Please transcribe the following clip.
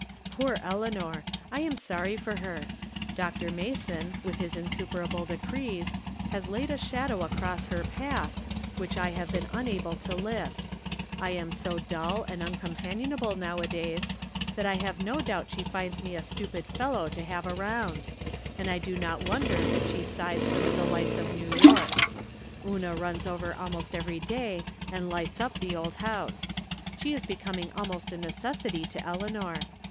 Poor Eleanor ! I am sorry for her. Dr. Mason, with his insuperable decrees, has laid a shad ow across her path, which I have not been able to lift. I am so dull and uncompanionable nowadays that I have no doubt she finds me a stupid fellow to have around ; and I do not wonder that she sighs for the delights of New York. Una runs over almost every day, and lights up the old house. She is becoming almost a necessity to Eleanor.